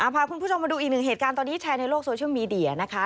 พาคุณผู้ชมมาดูอีกหนึ่งเหตุการณ์ตอนนี้แชร์ในโลกโซเชียลมีเดียนะคะ